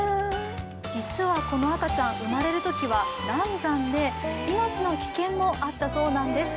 実はこの赤ちゃん、生まれるときは難産で、命の危険もあったそうなんです。